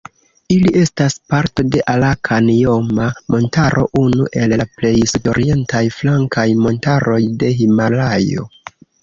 Ili estas parto de Arakan-Joma-Montaro, unu el la plej sudorientaj flankaj montaroj de Himalajo.